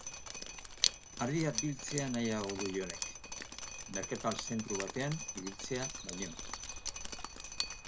Ardiak biltzea nahiago du Jon-ek, merkatal zentru batean ibiltzea baino.